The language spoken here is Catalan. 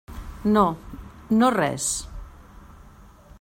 No, no res.